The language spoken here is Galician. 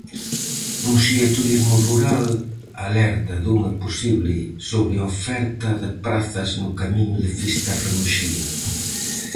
Muxía turismo rural alerta dunha posible sobreoferta de prazas no camiño de Fisterra-Muxía.